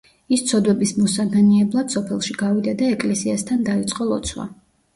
ის ცოდვების მოსანანიებლად სოფელში გავიდა და ეკლესიასთან დაიწყო ლოცვა.